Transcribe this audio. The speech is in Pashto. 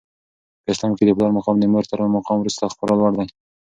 په اسلام کي د پلار مقام د مور تر مقام وروسته خورا لوړ دی.